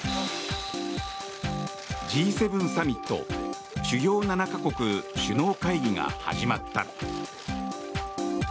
Ｇ７サミット主要７か国首脳会議が始まった。